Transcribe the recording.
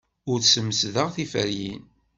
Ur smesdeɣ tiferyin.